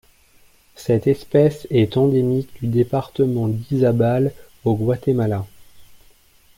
Cette espèce est endémique du département d'Izabal au Guatemala.